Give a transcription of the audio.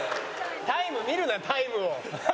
タイム見るなタイムを。